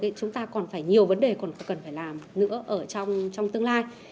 thì chúng ta còn phải nhiều vấn đề còn cần phải làm nữa trong tương lai